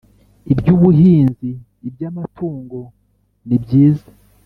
ibyubuhinzi, iby’amatungo. Ni byiza